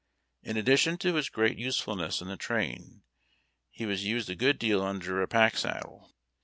In addition to his great usefulness in the train, he was used a good deal under a pack saddle.